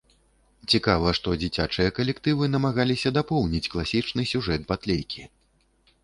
Цікава, што дзіцячыя калектывы намагаліся дапоўніць класічны сюжэт батлейкі.